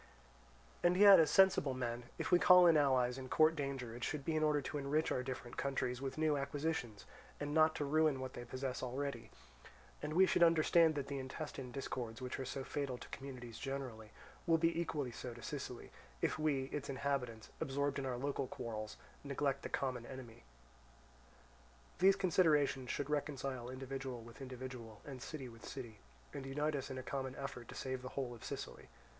"And yet as sensible men, if we call in allies and court danger, it should be in order to enrich our different countries with new acquisitions, and not to ruin what they possess already; and we should understand that the intestine discords which are so fatal to communities generally, will be equally so to Sicily, if we, its inhabitants, absorbed in our local quarrels, neglect the common enemy. These considerations should reconcile individual with individual, and city with city, and unite us in a common effort to save the whole of Sicily.